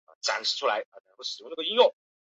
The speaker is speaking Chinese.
稻荷森古坟。